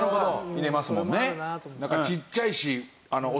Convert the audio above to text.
入れますもんね。